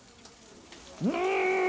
うん！